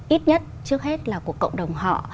ít nhất trước hết là của cộng đồng họ